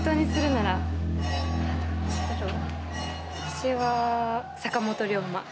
私は坂本龍馬。